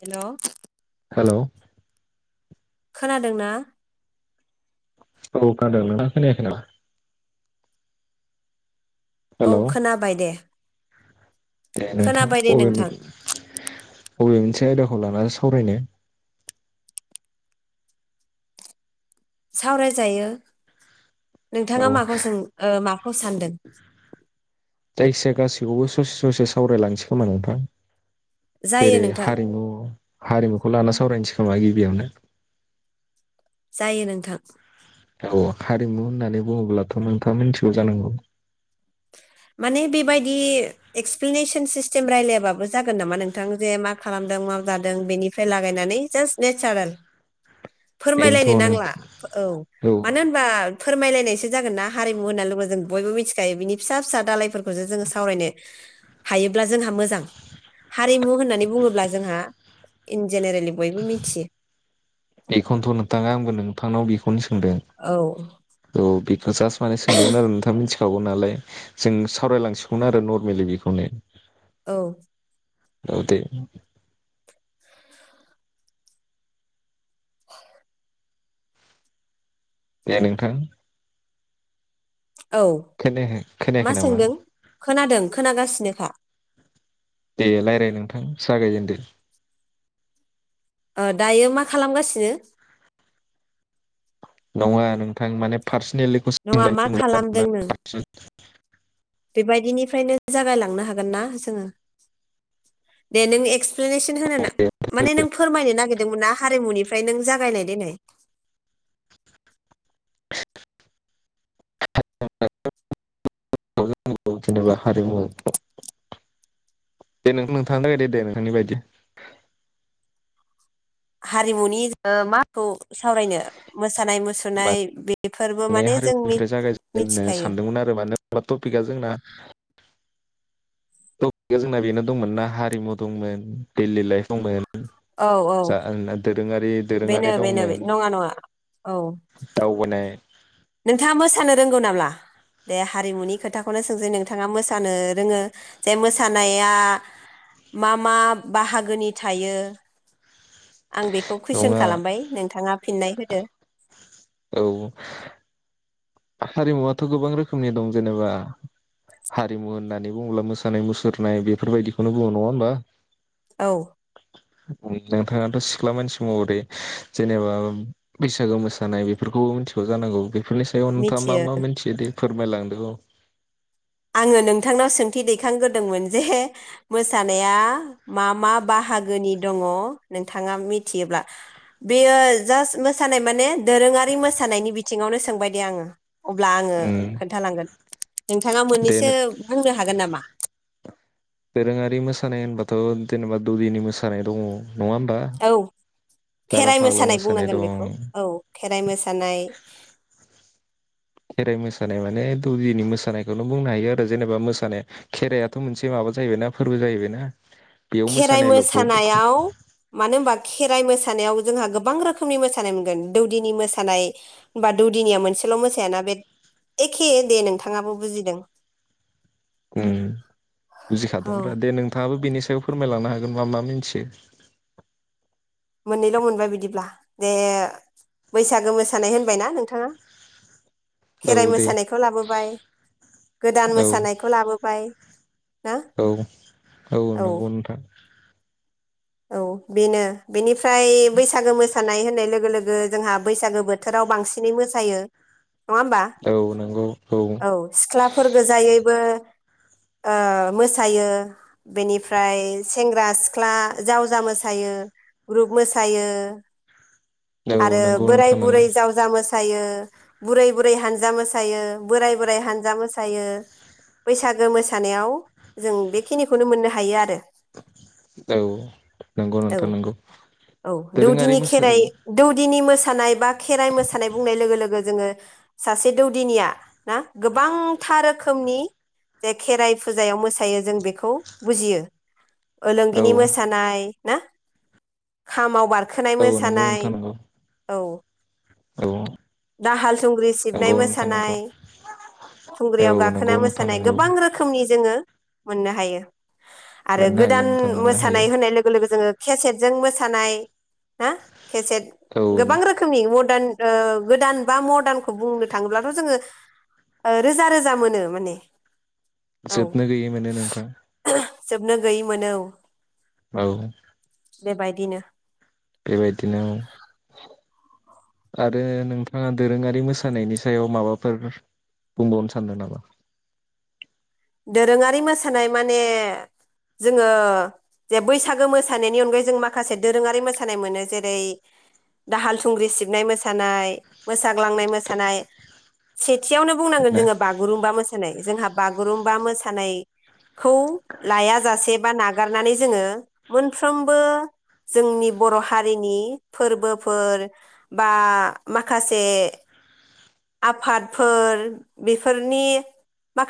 हेल' hello खोनादोंना? ओ खोनादों। नोंथाङा खोनायाखै नामा? औ हेलौ खोनाबाय दे। दे नोंथां खोनाबाय [inaudible] दे बबे नोंथां मोनसे आयदाखौ लानानै सावरायनो सावरायजायो। नोंथाङा औ माखौ सों मा खौ सानदों? जायखिजाया गाैखौबो ससे ससे सावरायलांसै खोमा नोंथां। जायो जेरै नोंथां हारिमु हारिमुखौ लाना सावरायनोसै थाबाय गिबियावनो जायो नोंथां। औ हारिमु होननानै बुङोब्लाथ' नोंथाङा मिथिगौ जानांगौ? माने बेबायदि एसप्लेने सन सिस्टेम रायलायाबो जागोन नामा नोंथां जे मा खालामदों मा जादों बेनिफ्राय लागायनानै जास नेचारेल बेनोथ' फोरमायलायनो नांला औ नों औ मानो होनबा फोरमायलायनायसो जागोन ना हारिमु होनना लोगो जों बयबो मिथिखायो बिनि फिसा फिसा दालाइफोर जोङो हायोब्ला जोंहा मोजां हारिमु होन होननानै बुङोब्ला जोंहा इन जेनेरेलि बयबो मिथियो बेखौनोथ' नोंथाङा आंबो नोंथांनाव बेखौ खोनो सोंदों औ बे जाजास्त माने सोंदोंमोन आरो नोंथाङा मिथ खागौ नालाय जों सावरायलांसिगौमोन आरो नरमेलि बेखौनो। औ औ दे दे नोंथां औ खोनायाखै खोनायाखै मा नामा सोंदों खोनादों खोनागासिनोखा। दे रायलाय नोंथां जागायजेनदो। ओ दायो मा खालामगासिनो? नङा नोंथां माने फार्स्ट नङा मा खालामदों नों [unintelligible] बेबायदिनिफ्रायनो जागायलांनो हागोन ना जोङो दे नों एक्स प्लेनेसन होनो ना माने नों फोरमायनो नागोरदोंमोन हारिमुनि ओमफ्राय नों जागायनाय देनाय [unintelligible] [unintelligible] जेनेबा हारिमु दे नों नोंथाङानो [unintelligible] दो दे नोंथांनि बायदि हारिमुनि ओ माखौ सावरायनो मोसानाय मुसुरनाय बे माने हारिमुनिफ्राय जागायजेन होननो मिथिखायो सानदोंमोन आरो मानो होनबा टपिकआ जोंना टपिकआ जोंना बेनो दंमोन ना हारिमु दंमोन देलि लाइफ दंमोन औ औ जा आंना दोद दोरोङारि बेनो दोरोङारि बेनो बे- दंमोन नङा नङा औ दावबानाय नोंथाङा मोसानो रोंगौ नाम्ला दे हारिमुनि खोथाखौनो सोंसै नोंथाङा मोसानो रोङो जे मोसानाया मा मा बाहागोनि थायो? आं बेखौ कुइसन नङा खालामबाय नोंथाङा फिननाय होदो औ हारिमुआथ' गोबां रोखोमनि दं जेनेबा हारिमु होननानै बुङोब्ला मोसानाय मुसुरनाय बेफोरबायदिखौनो बुङो नङा होमबा औ उम नोंथाङाथ' सिख्ला मानसि महरै जेनेबा बैसागो मोसानाय बेफोरखौबो मिथिगौ जानांगौ बेफोरलायस मिथियो मा मा मोनथियो दे फोरमायलांदों ल' आङो नोंथांनाव सोंथि दैखांग्रोदोंमोन जे मोसानाया मा मा बाहागोनि दङ नोंथाङा मिथियोब्ला बेयो जास्ट मोसानाय माने दोरोङारि मोसानायनि बि थिङावनो सोंबाय दे आङो अब्ला आङो उम खोन्थालांगोन थें - नोंथाङा दे मोननैसो नों बुंनो हागोन नामा? दोरोङारि मोसानाय होनबाथ' जेनेबा दौदिनि मोसानाय दङ नङा होमबा औ जारा खेराइ फाग्ला मोसानाय बुंनांगोन दं बेखौ औ खेराइ मोसानाय खेराइ मोसानाय माने दौदिनि मोसानायखौनो बुंनो हायो आरो जेनेबा मोसानाया खेराइथ' मोनसे माबा जाहैबायनाा फोरबो जाहैबायना बेयाव खेराइ मोसानायल'खौ मोसानायाव मानो होनोमबा खेराइ मोसानायाव जोंहा गोबां रोखोमनि मोसानाय मोनगोन दौदिनि मोसानाय बा दौदिनिया मोनसेल' मोसायाना बे एखे दे नोंथाङाबो बुजिदों उम औ बुजिखादोंब्रा दे नोंथाङाबो बेनि सा याव फोरमायलांनो हागोन मा मा मिथियो मोननैल' मोनबाय बिदिब्ला दे बैसागो मोसानाय होनबायना नोंथाङा खेराइ औ दे मोसानायखौ लाबोबाय गोदान औ मोसानायखौ लाबोबाय ना औ औ नंगौ नोंथां औ बेनो बेनि फ्राय बैसागो मोसानाय होननाय लोगो लोगो जोंहा बैसागो बोथोराव बांसिनै मोसायो नङा होमबा औ नंगौ औ सिख्लाफोर गोजायैबो ओ मोसायो बेनिफ्राय सेंग्रा सिख्ला जावजा मोसायो ग्रुप मोसायो औ आरो नंगौ बोराय नोंथां नंगौ बुरै जावजा मोसा दायो मोसायो बुरै बुरै हानजा मोसायो बोराय बोराइ हानजा मोसायो बैसागो मोसानायाव जों बेखिनिखौनो मोननो हायो आरो औ नंगौ औ नोंथां नंगौ औ दोरोङारि दौदिनि मोसा खेराइ दौदिनि मो सानाय बा खेराइ मोसानाय बुंनाय लोगो लोगो जोङो सासे दौदिनिया ना गोबांथा रोखोमनि जे खेराइ फुजायाव मोसायो जों बेखौ बुजियो औ ओलोंगिनि मोस [unintelligible] खामाव बार रखोनाय औ नंगौ मोसानाय नोंथां नंगौ औ औ दाहाल थुंग्रि सिबनाय नंगौ नोंथां नंगौ मोसानाय औ थुंग्रियाव गाखोना नंगौ नोंथां मोसानाय नंगौ गोबां रोखोमनि जोङो मोननो हायो आरो मोननो हायो गोदान नोंथां मोननो मोस हायो थानाय होनाय लोगो लोगो जोङो केसेटजों मोसानाय हा केसेट औ गोबां रोखोमनि मदार्न ओ गोदान बा मदारनखौ बुंनो थाङोब्लाथ' जोङो रोजा रोजा मोनो माने। औ जोबनो गैयै मोनो नोंथां जोबनो गैयै मोनो औ। औ बेबायदिनो बेबायदिनो औ आरो नोंथाङा दोरोङारि मोसानायनि सायाव माबाफोर बुंबावनो सानदों नामा? दोरोङारि मोसानाय माने जोङो जे बैसागो मोसानायनि अनगायै जों माखासे दोरोङारि मोसानाय मोनो जेरै दाहाल थुंग्रि सिबनाय मोसानाय मोसाग्लांनाय मोसानाय सेथियावनो बुंनांगोन जोङो बागुरुमबा मोसा दिनै जोंहा बा बागुरुमबा मोसानायखौ लायाजासे बा नागारनानै जोङो मोनफ्रोमबो जोंनि बर' हारिनि फोरबोफोर बा माखासे आफादफोर बेफोरनि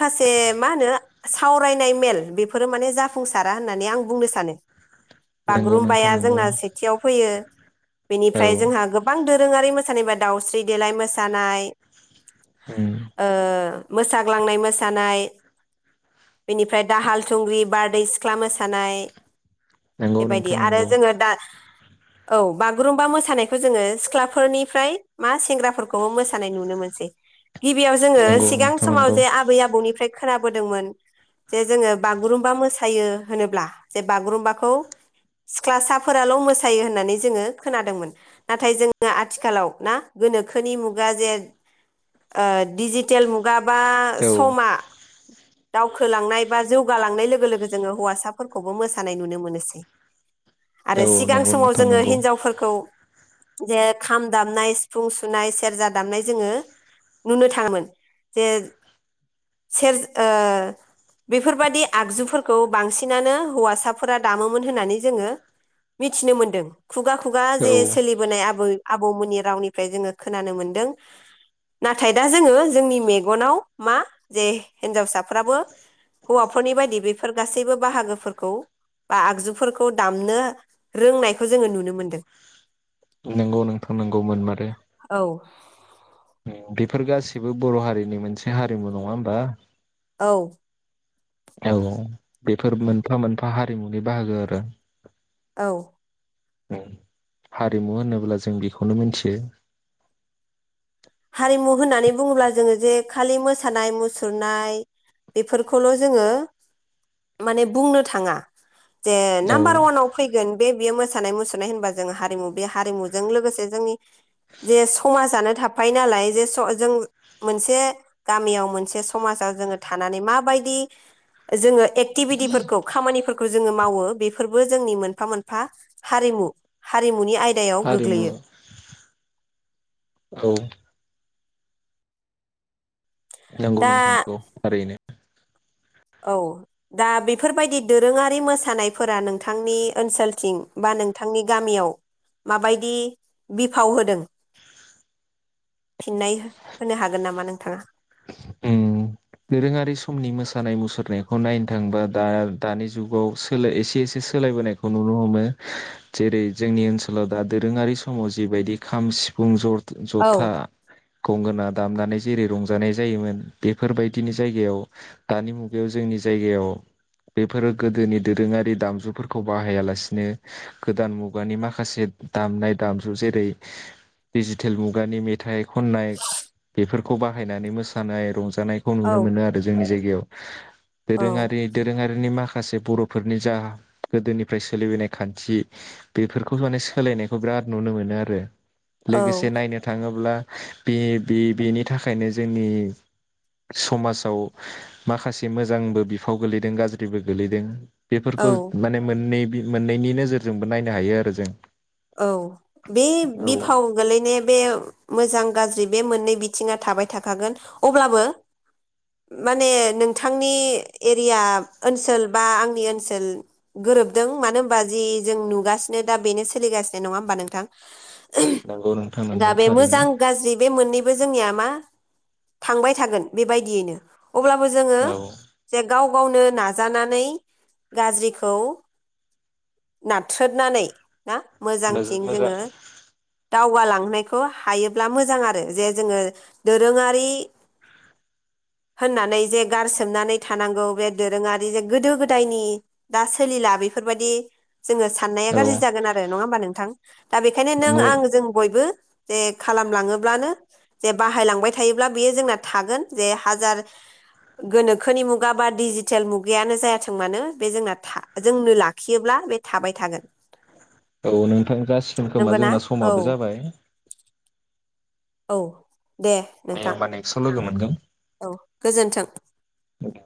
माखासे मा होनो सावरायनाय मेल बेफोरो माने जाफुंसारा होननानै आं बुंनो सानो नंगौ नोंथां बागुरुम्बाया नंगौ जोंना सेथियाव फैयो औ बेनिफ्राय जोंहा गोबां दोरोङारि मोसानायबा दावस्रि देलाय मोसानाय ओ मोसाग्लांनाय मोसा सानाय बेनिफ्राय दाहाल थुंग्रि बारदै सि सिख्ला मोसानाय नंगौ बेबायदि नोंथां आरो नंगौ जोङो दा औ बागुरुम्बा मोसानायखौ जोङो सिख्लाफोरनिफ्राय मा सेंग्राफोरखौबो मोसानाय नुनो मोनसै गिबियाव जोङो नंगौ सिगां नोंथां समाव नंगौ जे आबै आबौ ओमफ्राय खोनाबोदोंमोन जे जोङो बुगुरुमबा मोसा मोसायो होनोब्ला जे बागुरुम्बाखौ सिख्लासाफोराल' मोसायो होननानै जोङो खोनादोंमोन नाथाय जों आथिखालाव ना गोनोखोनि मुगा जे ओ डिजितेल मुगा औ बा दावखोलांनाय बा जौगालांनाय लोगो लोगो जोङो हौवासाफोरखौबो मोसानाय नुनो मोनोसै। औ आरो सिगां नंगौ समाव नोंथां जोङो नंगौ हिनजावफोरखौ जे खाम दामनाय सिफुं सुनाय सेरजा दामनाय जोङो नुनो थाङोमोन जे सेर ओ बेफोरबादि आगजुफोरखौ बांसिनानो हौवासाफोरा दामोमोन होननानै जोङो मिथिनो मोनदों खुगा खुगा औ जे सोलिबोनाय आबै आबौमोननि रावनिफ्राय जोङो खोनानो मोनदों नाथाय दा जोङो जोंनि मेगनाव मा जे हिन्जावसाफ्राबो हौवाफोरनि बायदि बेफोर गासैबो बाहागोफोरखौ बा आगजुफोरखौ दामनो रोंनायखौ जोङो नुनो मोनदों। नोंगौ नोंथां‌ नोंगौ मोनमारो औ बेफोर गासिबो बर' हारिनि मोनसे हारिमु नङा होमबा औ औ बेफोर मोनफा मोनफा हारिमुनि बाहागो आरो औ। उम हारिमु होनोब्ला जों बेखौनो मिथियो। [inaudible] हारिमु होननानै बुङोब्ला जोङो जे खालि मोसानाय मुसुरनाय बेफोरखौल' जोङो माने बुंनो थाङा। जे औ नाम्बार अवानाव फैगोन बे बेयो मोस मोसानाय मुसुरनाय होनबा जोङो हारिमु बे हारिमुजों लोगोसे जोंनि जे समाजानो थाफायो नालाय जे जों मोनसे गामियाव मोनसे समाजाव जोङो थानानै माबायदि जोङो एक्टिभिटिफोरखौ खामानिफोरख खौ जोङो मावो बेबो जोंनि मोनफा मोनफा हारिमु। हारिमु मुनि आयदायाव हारिमु गोग्लैयो। औ नंगौ दा नोंथां औ थारैनो। औ दा बेफोरबायदि दोरोङारि मोसानायफोरा नोंथांनि ओनसोलथिं बा नोंथांनि गामियाव माबायदि बिफाव होदों। [inaudible] फिननाय हो-होनो हागोन नामा नोंथाङा? उम दोरोङारि समनि मोसानाय मुसुरनायखौ नायनो थांबा दा दानि जुगाव सोलाय एसे एसे सोलायबोनायखौ नुनो हमो जेरै जोंनि ओनसोलाव दा दोरोङारि समाव जिबायदि खाम सिफुं ज औ जथा गंगोना दामनानै जेरै रं रंजानाय जायोमोन बेफोरबायदिनि जायगायाव दानि मुगायाव जोंनि जायगायाव बेफोरो गोदोनि दोरोङारि दामजुफोरखौ बाहायालासिनो गोदान मुगानि माखासे दामनाय दामजु जेरै डिजिटेल मुगानि मेथाइ खननाय बेफोरखौ बाह बाहायनानै मोसानाय रंजा जानायखौ औ नुनो मोनो आरो जोंनि जायगायाव। औ दोरोङारि दोरोङारिनि माखा माखासे बर'फोरनि जा गोदोनिफ्राय सोलिबोनाय खान्थि बेफोरखौ माने सोलायनायखौ बिराद नुनो मोनो आरो। औ लोगोसे नायनो थाङोब्ला बे बे बेनि थाख खायनो जोंनि समाजाव माखासे मोजांबो बिफावबो गोलैदों गाज्रिबो गोलैदों। औ बेफोरखौ माने मोननै मोननैनि नोजोरजोंबो नायनो हायो आरो जों। औ बे औ बिफाव गोलैनाया बे मोजां गाज्रि बे मोननै बिथिङा थाबाय थाखागोन अब्लाबो माने नोंथांनि एरिया ओनसोल बा आंनि ओनसोल गोरोबदों मानो ओमबा जि जों नुगासिनो बेनो सो सोलिगासिनो नङा होमबा नोंथां? नंगौ नोंथां ओहोम दा नंगौ बे थारैनो मोजां गाज्रि बे मोननै बो जोंनिया मा थांबाय थागोन बेबायदियैनो। अब्लाबो जोङो औ जे गाव गावनो नाजानानै गाज्रिखौ नाथ्रोदनानै ना मोजांथिं मोजां जोङो दावगालांनायखौ हायोब्ला मोजां आरो जे जोङो दोरोङारि होननानै जे गारसोमनानै थानांगौ बे दोरोङारि जे गोदो गोदायनि दा सोलिला बेफोरबायदि जोङो साननाया औ गाज्रि जागोन आरो नङा होमबा नोंथां? [inaudible] दा बेखायनो नों नंगौ आं जों बयबो। जे खालामलाङोब्लानो जे बाहायलांबाय थायोब्ला बेयो जोंना थागोन जे हाजार गोनोखोनि मुगा बा डिजिटेल मुगायानो जायाथों मानो बे जोंना जोंनो लाखियोब्ला बे। थाबाय थागोन। औ नोंथां जासिगोन खोमा नंगौना जोंना औ समाबो जाबाय। औ। दे दे नोंथां होमबा नेक्सटआव लोगो मोनगोन। औ गोजोन्थों। दै।